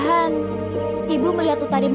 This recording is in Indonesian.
agak seperti gadis